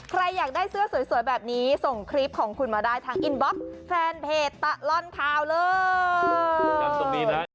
อยากได้เสื้อสวยแบบนี้ส่งคลิปของคุณมาได้ทางอินบล็อกแฟนเพจตลอดข่าวเลย